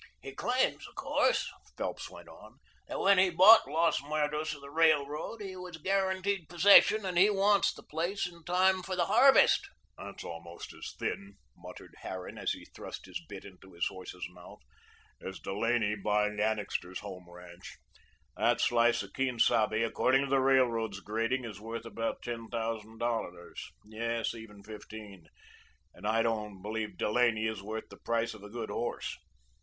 "He claims, of course," Phelps went on, "that when he bought Los Muertos of the Railroad he was guaranteed possession, and he wants the place in time for the harvest." "That's almost as thin," muttered Harran as he thrust the bit into his horse's mouth, "as Delaney buying Annixter's Home ranch. That slice of Quien Sabe, according to the Railroad's grading, is worth about ten thousand dollars; yes, even fifteen, and I don't believe Delaney is worth the price of a good horse.